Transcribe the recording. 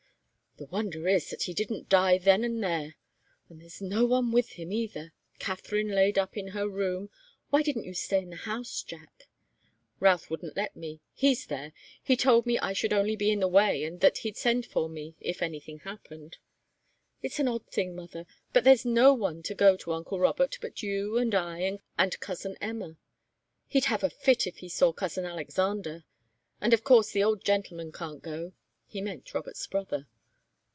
"The wonder is that he didn't die then and there. And there's no one with him, either Katharine laid up in her room why didn't you stay in the house, Jack?" "Routh wouldn't let me. He's there. He told me I should only be in the way and that he'd send for me, if anything happened. It's an odd thing, mother but there's no one to go to uncle Robert but you and I and cousin Emma. He'd have a fit if he saw cousin Alexander. And of course the old gentleman can't go." He meant Robert's brother.